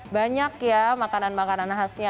banyak ya makanan makanan khasnya